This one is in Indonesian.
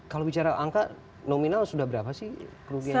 kalau bicara angka nominal sudah berapa sih kerugiannya